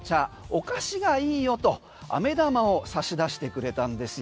お菓子がいいよと飴玉を差し出してくれたんですよ。